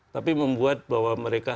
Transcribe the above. tapi membuat bahwa mereka